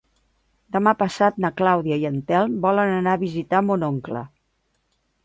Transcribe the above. Demà passat na Clàudia i en Telm volen anar a visitar mon oncle.